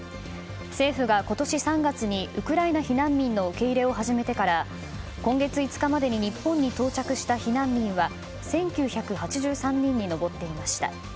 政府が今年３月にウクライナ避難民の受け入れを始めてから今月５日までに日本に到着した避難民は１９８３人に上っていました。